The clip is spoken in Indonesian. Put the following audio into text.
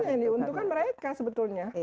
yang diuntungkan mereka sebetulnya